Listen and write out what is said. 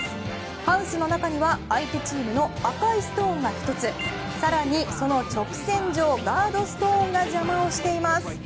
ハウスの中には相手チームの赤いストーンが１つ更に、その直線上にガードストーンが邪魔をしています。